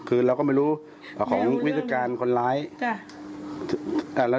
เราก็คิดว่าเขาน่าจะรู้เฟซเราไหมครับ